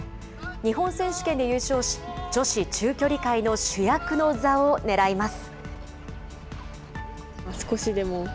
日本選手権で優勝し、女子中距離界の主役の座を狙います。